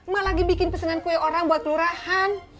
mak lagi bikin pesengan kue orang buat kelurahan